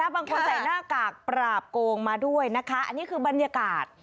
บางคนใส่หน้ากากปราบโกงมาด้วยนะคะอันนี้คือบรรยากาศ